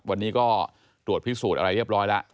วันนี้ก็ตรวจพิสูจน์อะไรเรียบร้อยแล้ว